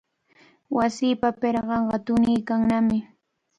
Wasipa pirqanqa tuniykannami.